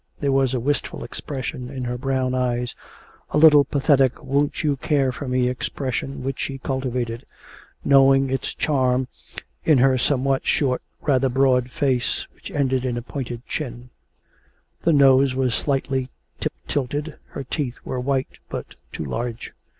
There was a wistful expression in her brown eyes, a little pathetic won't you care for me expression which she cultivated, knowing its charm in her somewhat short, rather broad face, which ended in a pointed chin: the nose was slightly tip tilted, her teeth were white, but too large.